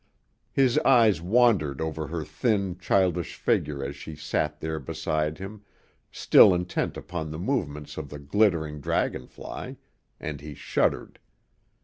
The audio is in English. His eyes wandered over her thin, childish figure as she sat there beside him, still intent upon the movements of the glittering dragonfly, and he shuddered.